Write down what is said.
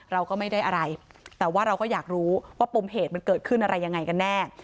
เราก็ไม่ได้อะไรแต่ว่าเราก็อยากรู้ว่าปมเหตุมันเกิดขึ้นอะไรยังไงกันแน่